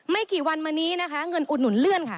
ไม่กี่วันมานี้นะคะเงินอุดหนุนเลื่อนค่ะ